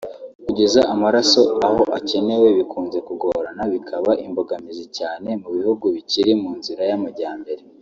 Kugeza amaraso aho akenewe bikunze kugorana bikaba imbogamizi cyane mu bihugu bikiri mu nzira y’amajyambere